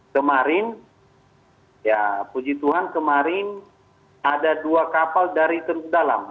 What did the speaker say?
kemarin ya puji tuhan kemarin ada dua kapal dari dalam